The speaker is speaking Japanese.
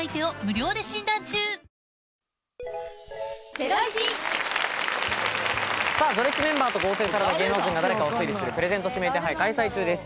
ゼロイチメンバーと合成された芸能人が誰かを推理するプレゼント指名手配、開催中です。